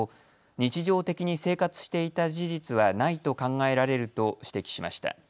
日常的に生活していた事実はないと考えられると指摘しました。